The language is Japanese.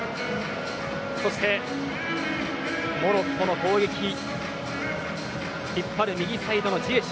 そして、モロッコの攻撃引っ張る右サイドのジエシュ